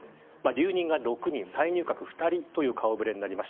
留任が６人、再入閣が２人という顔触れです。